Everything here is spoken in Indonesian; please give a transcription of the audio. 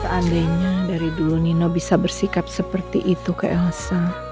seandainya dari dulu nino bisa bersikap seperti itu ke elsa